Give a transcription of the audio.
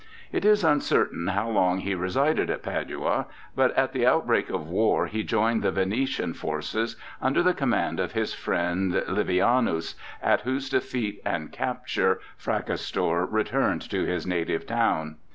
It is uncertain how long he resided at Padua, but at the outbreak of war he joined the Venetian forces under the command of his friend Livianus, at whose defeat and capture Fracastor returned to his native town.